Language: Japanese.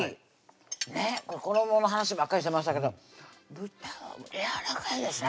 ねっ衣の話ばっかりしてましたけど豚やわらかいですね